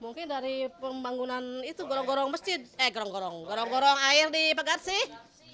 mungkin dari pembangunan itu gorong gorong air di pagarsih